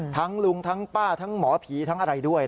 ลุงทั้งป้าทั้งหมอผีทั้งอะไรด้วย